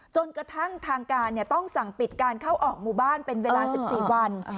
จนกระทั่งทางการต้องสั่งปิดการเข้าออกหมู่บ้านเป็นเวลา๑๔วัน